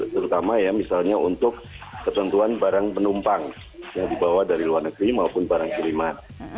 terutama ya misalnya untuk ketentuan barang penumpang yang dibawa dari luar negeri maupun barang kiriman